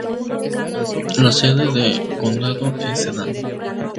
La sede de condado es Sedan.